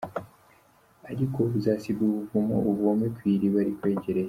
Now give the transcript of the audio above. Ariko uzasiga ubuvumo, uvome kwiriba rikwegereye.